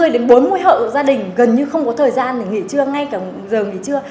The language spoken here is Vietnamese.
một mươi đến bốn mươi hộ gia đình gần như không có thời gian để nghỉ trưa ngay cả giờ nghỉ trưa